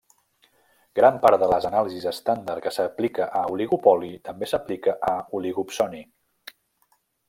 Gran part de les anàlisis estàndard que s'aplica a oligopoli també s'aplica a oligopsoni.